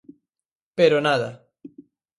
Pero nada.